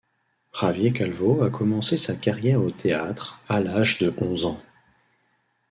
Javier Calvo a commencé sa carrière au théâtre à l'âge de onze ans.